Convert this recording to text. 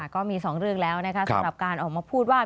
ก็มี๒เรื่องแล้วนะคะสำหรับการออกมาพูดว่า